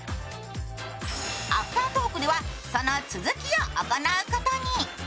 アフタートークではその続きを行うことに。